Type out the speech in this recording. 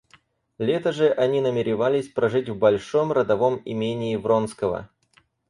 Лето же они намеревались прожить в большом родовом имении Вронского.